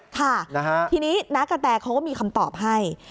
ค่ะทีนี้น้ากระแตเขาก็มีคำตอบให้